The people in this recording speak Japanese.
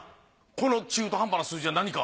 この中途半端な数字は何か？